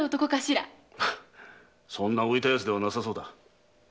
そんな浮いた奴ではなさそうだ。